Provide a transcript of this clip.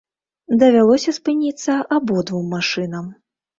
Давялося спыніцца абодвум машынам.